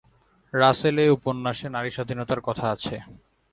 রাসেল এ উপন্যাসে নারী স্বাধীনতার কথা আছে।